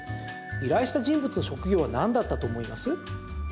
依頼した人物の職業はなんだったと思います？